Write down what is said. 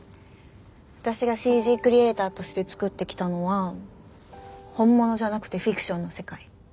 私がＣＧクリエーターとして作ってきたのは本物じゃなくてフィクションの世界。